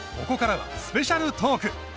ここからはスペシャルトーク。